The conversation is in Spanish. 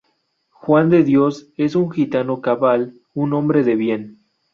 Juan de Dios es un gitano cabal; un hombre de bien.